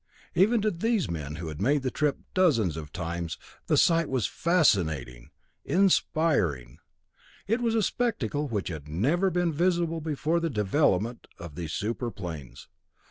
Even to these men who had made the trip dozens of times, the sight was fascinating, inspiring. It was a spectacle which had never been visible before the development of these super planes.